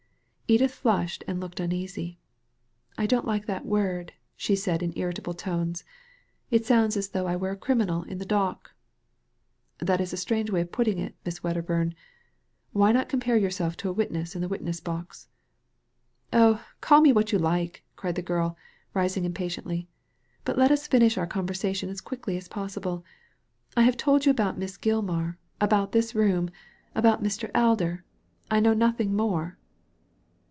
Edith flushed and looked uneasy. ''I don't like that word," she said in irritable tones ; ''it sounds as though I were a criminal in the dock." " That is a strong way of putting it, Miss Wedder bum. Why not compare yourself to a witness in the witness box ?"" Oh, call me what you like," cried the girl, rising impatiently, "but let us finish our conversation as quickly as possible. I have told you about Miss Gilmar, about this room, about Mr. Alder ; I know nothing more."